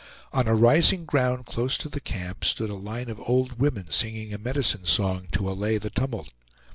On a rising ground close to the camp stood a line of old women singing a medicine song to allay the tumult.